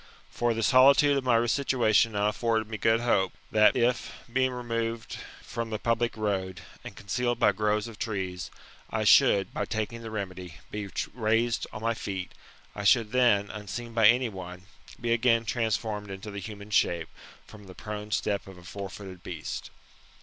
For the solitude of my situation now afforded me good hope, that if, being removed from the public road, and concealed by groves of trees, I shonld, by taking the remedy, be raised on my feet, I then should, unseen by anyone, be again transformed into the human shape, from the prone step of a four footed beast.